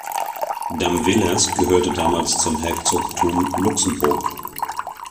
Damvillers gehörte damals zum Herzogtum Luxemburg.